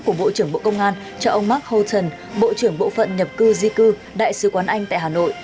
của bộ trưởng bộ công an cho ông mark houghton bộ trưởng bộ phận nhập cư di cư đại sứ quán anh tại hà nội